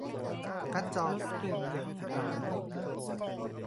การ์ดจอ